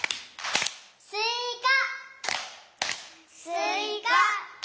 「すいか」。